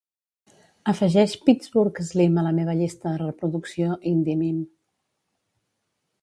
Afegeix Pittsburgh Slim a la meva llista de reproducció Indie Mim.